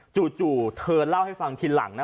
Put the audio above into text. จู่เธอเล่าให้ฟังทีหลังนะ